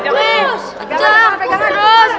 jangan pegangan terus